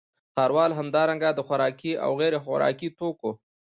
ښاروال همدارنګه د خوراکي او غیرخوراکي توکو